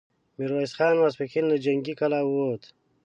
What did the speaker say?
ميرويس خان ماسپښين له جنګي کلا ووت،